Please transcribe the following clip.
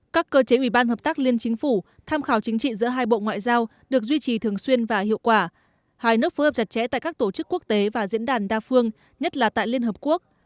các cơ chế ủy ban hợp tác liên chính phủ tham khảo chính trị giữa hai bộ ngoại giao được duy trì thường xuyên và hiệu quả hai nước phối hợp chặt chẽ tại các tổ chức quốc tế và diễn đàn đa phương nhất là tại liên hợp quốc